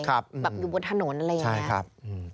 อยู่บนถนนอะไรอย่างนี้นะครับใช่ครับ